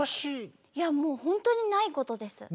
いやもうほんとにないことです。